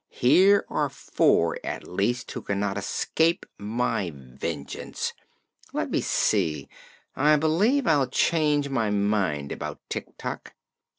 Here are four, at least, who cannot escape my vengeance. Let me see; I believe I'll change my mind about Tik Tok.